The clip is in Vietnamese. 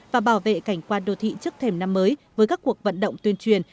và bảo vệ cảnh quan đô thị trước thềm năm mới với các cuộc vận động tuyên truyền